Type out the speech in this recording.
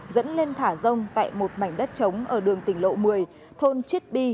dẫn lên thả rông tại một mảnh đất trống ở đường tỉnh lộ một mươi thôn chit bi